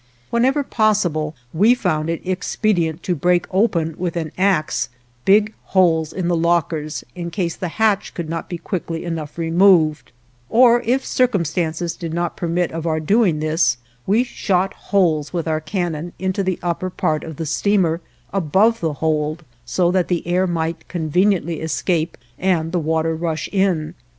Whenever possible we found it expedient to break open with an axe big holes in the lockers in case the hatch could not be quickly enough removed; or, if circumstances did not permit of our doing this, we shot holes with our cannon into the upper part of the steamer, above the hold, so that the air might conveniently escape and the water rush in.